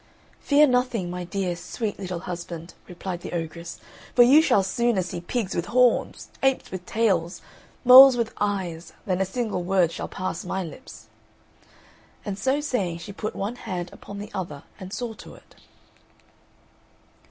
"Fear nothing, my dear, sweet little husband," replied the ogress; "for you shall sooner see pigs with horns, apes with tails, moles with eyes, than a single word shall pass my lips." And so saying, she put one hand upon the other and swore to it.